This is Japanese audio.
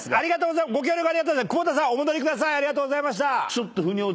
お戻りください。